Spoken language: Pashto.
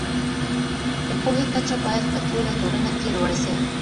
د پوهي کچه بايد په ټوله ټولنه کي لوړه سي.